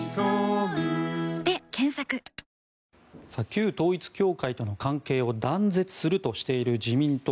旧統一教会との関係を断絶するとしている自民党。